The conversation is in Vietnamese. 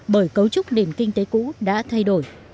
bởi cấu trúc nền kinh tế cũ đã thay đổi